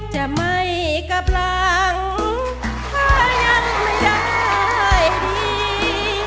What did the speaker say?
จะไม่กับหลังถ้ายังแย้งร้ายดี